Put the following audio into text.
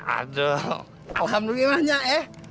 aduh alhamdulillahnya ya